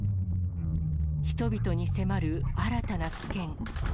人々に迫る新たな危険。